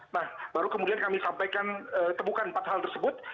nah baru kemudian kami sampaikan temukan empat hal tersebut